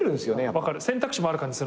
分かる。